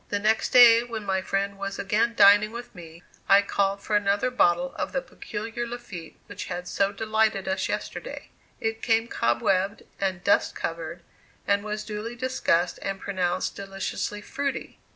The next day when my friend was again dining with me I called for another bottle of the peculiar Lafitte which had so delighted us yesterday. It came cobwebbed and dust covered and was duly discussed and pronounced deliciously "fruity."